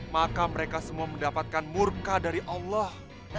maka mereka semua mendapatkan murka dari allah